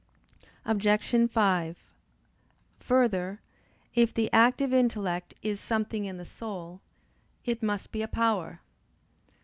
Obj. 5: Further, if the active intellect is something in the soul, it must be a power.